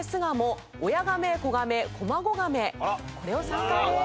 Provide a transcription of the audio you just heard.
これを３回です。